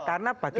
ya karena bagi